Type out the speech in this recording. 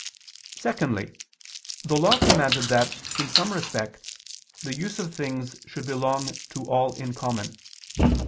Secondly, the Law commanded that, in some respects, the use of things should belong to all in common.